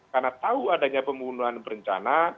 karena tahu adanya pembunuhan berencana